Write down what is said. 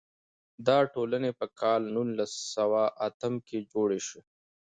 دا ټولنې په کال نولس سوه اتم کې جوړې شوې.